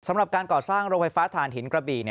สำหรับการก่อสร้างโรงไฟฟ้าฐานหินกระบี่